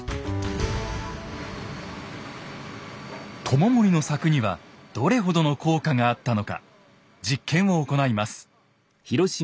知盛の策にはどれほどの効果があったのか実験を行います。